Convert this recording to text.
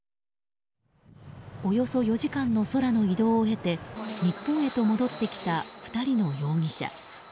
およそ４時間の空の移動を経て日本へと戻ってきた２人の容疑者。